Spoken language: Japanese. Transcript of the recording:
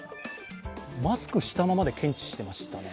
マスクしたままで検知していましたね。